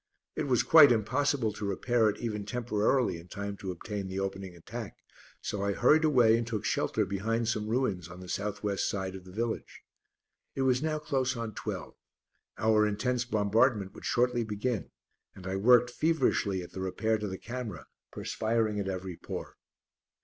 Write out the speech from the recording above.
It was quite impossible to repair it even temporarily in time to obtain the opening attack, so I hurried away and took shelter behind some ruins on the south west side of the village. It was now close on twelve; our intense bombardment would shortly begin, and I worked feverishly at the repair to the camera, perspiring at every pore.